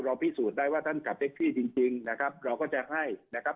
พิสูจน์ได้ว่าท่านกลับเท็กซี่จริงจริงนะครับเราก็จะให้นะครับ